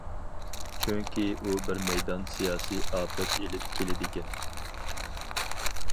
چۈنكى ئۇ بىر مەيدان سىياسىي ئاپەت ئېلىپ كېلىدىكەن.